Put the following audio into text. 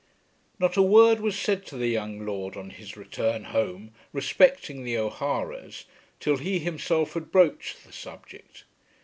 Not a word was said to the young lord on his return home respecting the O'Haras till he himself had broached the subject.